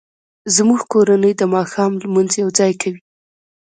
زموږ کورنۍ د ماښام لمونځ یوځای کوي